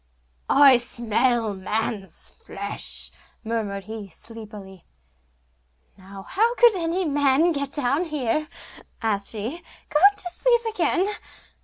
'I smell man's flesh!' murmured he, sleepily. 'Now, how could any man get down here?' asked she; 'go to sleep again.